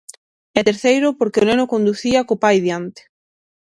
E terceiro, porque o neno conducía co pai diante.